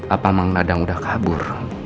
apa mang dadang udah kabur